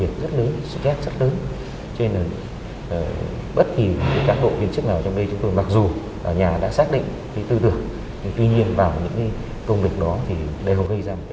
công lực đó thì đều gây ra một áp lực rất lớn